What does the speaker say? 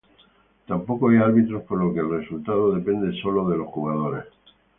Tampoco hay árbitros por lo que el resultado depende solo de los jugadores.